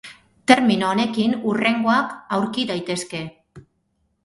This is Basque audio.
Termino honekin hurrengoak aurki daitezke.